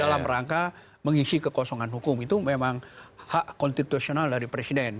dalam rangka mengisi kekosongan hukum itu memang hak konstitusional dari presiden